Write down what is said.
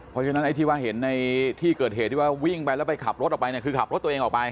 เพราะฉะนั้นไอ้ที่ว่าเห็นในที่เกิดเหตุที่ว่าวิ่งไปแล้วไปขับรถออกไปเนี่ยคือขับรถตัวเองออกไป